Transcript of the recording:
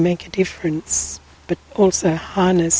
dan kami semua mencoba untuk membuat perbedaan